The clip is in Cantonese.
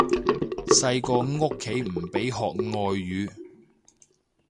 細個屋企唔俾學外語